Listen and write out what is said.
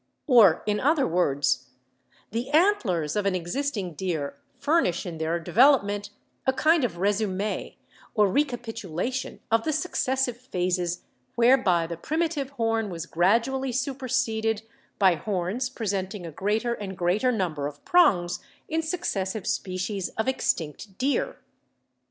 Or, in other words, the antlers of an existing deer furnish in their development a kind of 'resume,' or recapitulation, of the successive phases whereby the primitive horn was gradually superseded by horns presenting a greater and greater number of prongs in successive species of extinct deer.